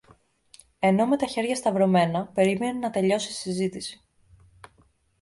ενώ με τα χέρια σταυρωμένα περίμενε να τελειώσει η συζήτηση